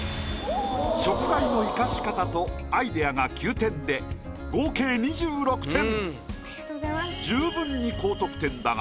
食材の生かし方とアイディアが９点で合計２６点。